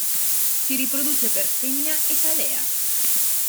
Si riproduce per semina e talea.